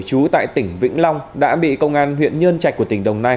chú tại tỉnh vĩnh long đã bị công an huyện nhân trạch của tỉnh đồng nai